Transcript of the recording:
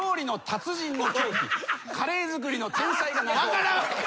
分からん！